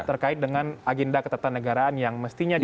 terkait dengan agenda ketetaran negaraan yang mestinya di